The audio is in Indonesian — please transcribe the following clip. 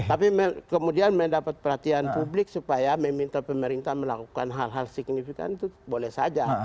tapi kemudian mendapat perhatian publik supaya meminta pemerintah melakukan hal hal signifikan itu boleh saja